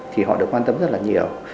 thì họ được quan tâm rất là nhiều